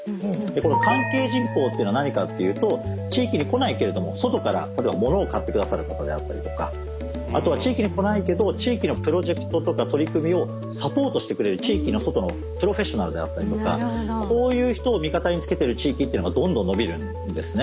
この関係人口っていうのは何かっていうと地域に来ないけれども外から例えばものを買って下さる方であったりとかあとは地域に来ないけど地域のプロジェクトとか取り組みをサポートしてくれる地域の外のプロフェッショナルであったりとかこういう人を味方につけてる地域っていうのがどんどん伸びるんですね。